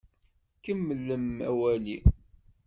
Kemmlem awali!